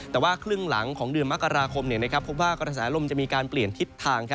แต่ว่าครึ่งหลังของเดือนมกราคมพบว่ากระแสลมจะมีการเปลี่ยนทิศทาง